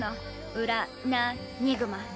ウラ・ナ・ニグマ。